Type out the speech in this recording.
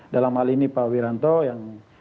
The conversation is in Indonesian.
dalam hal ini pak wiranto yang